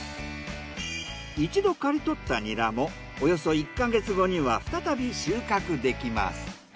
一度刈り取ったニラもおよそ１か月後には再び収穫できます。